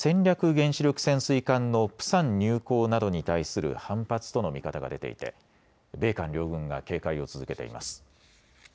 原子力潜水艦のプサン入港などに対する反発との見方が出ていて米韓両軍が警戒を続けています。